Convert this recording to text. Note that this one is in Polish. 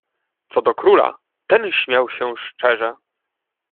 "Co do króla, ten śmiał się szczerze."